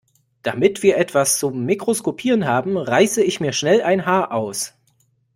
Damit wir etwas zum Mikroskopieren haben, reiße ich mir schnell ein Haar aus.